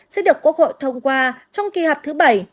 sẽ được quốc hội thông qua trong kỳ họp thứ bảy